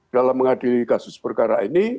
dalam mengadili kasus perkara ini